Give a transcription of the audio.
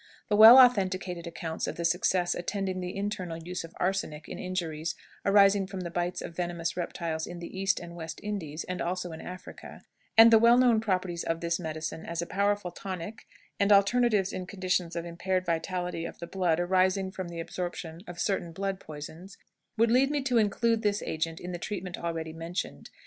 The well authenticated accounts of the success attending the internal use of arsenic in injuries arising from the bites of venomous reptiles in the East and West Indies, and also in Africa, and the well known properties of this medicine as a powerful tonic and alterative in conditions of impaired vitality of the blood arising from the absorption of certain blood poisons, would lead me to include this agent in the treatment already mentioned.